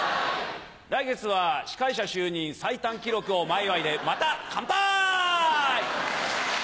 来月は司会者就任最短記録を前祝いでまたカンパイ！